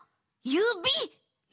ゆび！？